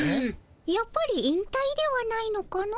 やっぱり引たいではないのかの。